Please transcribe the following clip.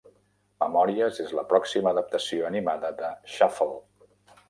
Memòries és la pròxima adaptació animada de "Shuffle"!